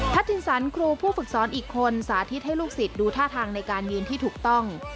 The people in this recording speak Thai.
ทินสันครูผู้ฝึกสอนอีกคนสาธิตให้ลูกศิษย์ดูท่าทางในการยืนที่ถูกต้อง